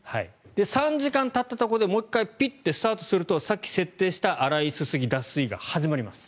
３時間たったところでもう１回ピッてスタートするとさっき設定した洗い、すすぎ脱水が始まります。